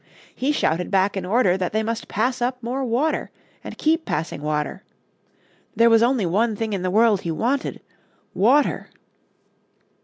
He shouted back an order that they pass up more water, and keep passing water. There was only one thing in the world he wanted water.